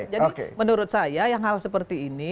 jadi menurut saya yang hal seperti ini